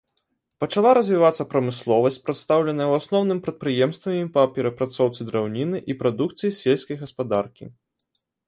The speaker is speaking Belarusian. Пачала развівацца прамысловасць, прадстаўленая ў асноўным прадпрыемствамі па перапрацоўцы драўніны і прадукцыі сельскай гаспадаркі.